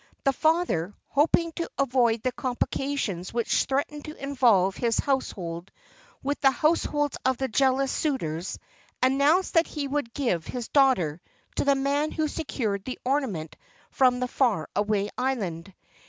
The father, hoping to avoid the complications which threatened to involve his household with the households of the jealous suitors, announced that he would give his daughter to the man who secured the ornament from the far away island.